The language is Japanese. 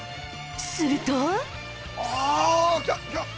すると